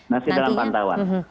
masih dalam pantauan